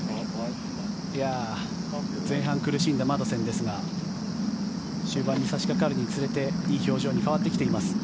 前半苦しんだマドセンですが終盤に差しかかるにつれていい表情に変わってきています。